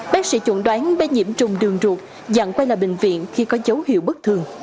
bác sĩ chuẩn đoán bé nhiễm trùng đường ruột dặn quay lại bệnh viện khi có dấu hiệu bất thường